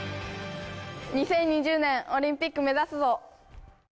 ２０２０年オリンピック目指すぞ。